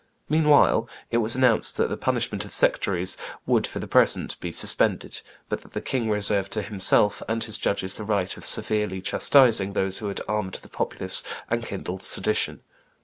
Meanwhile, it was announced that the punishment of sectaries would, for the present, be suspended, but that the king reserved to himself and his judges the right of severely chastising those who had armed the populace and kindled sedition.